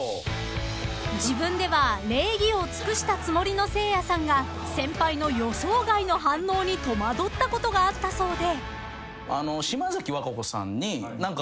［自分では礼儀をつくしたつもりのせいやさんが先輩の予想外の反応に戸惑ったことがあったそうで］